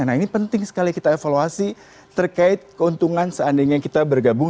nah ini penting sekali kita evaluasi terkait keuntungan seandainya kita bergabung